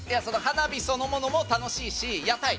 花火そのものも楽しいし。